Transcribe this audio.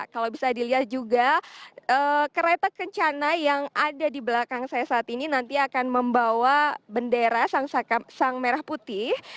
kalau bisa dilihat juga kereta kencana yang ada di belakang saya saat ini nanti akan membawa bendera sang merah putih